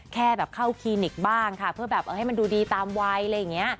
แค่แบบเข้าคลินิกบ้างค่ะเพื่อแบบให้มันดูดีตามวัยอะไรอย่างนี้